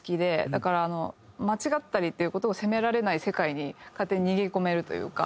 だから間違ったりっていう事を責められない世界に勝手に逃げ込めるというか。